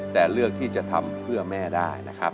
แต่เลือกที่จะทำเพื่อแม่ได้นะครับ